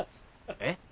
えっ？